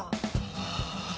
ああ。